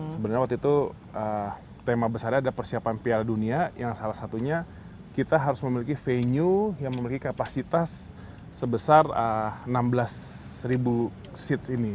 sebenarnya waktu itu tema besarnya ada persiapan piala dunia yang salah satunya kita harus memiliki venue yang memiliki kapasitas sebesar enam belas seats ini